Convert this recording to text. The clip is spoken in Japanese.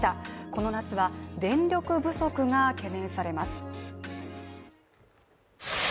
この夏は、電力不足が懸念されます。